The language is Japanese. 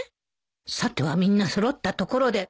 さてはみんな揃ったところで